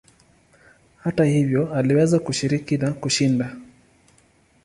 Hata hivyo aliweza kushiriki na kushinda.